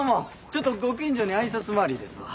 ちょっとご近所に挨拶回りですわ。